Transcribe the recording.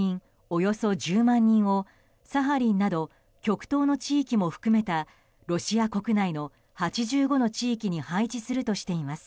およそ１０万人をサハリンなど極東の地域も含めたロシア国内の８５の地域に配置するとしています。